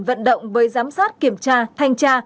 vận động với giám sát kiểm tra thanh tra